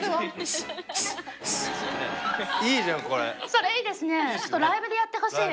それいいですね。